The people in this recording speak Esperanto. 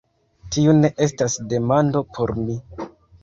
Tiu ne estas demando por mi.